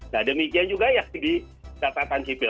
nah demikian juga ya di catatan sipil